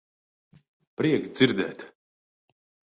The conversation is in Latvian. Prieks dzirdēt.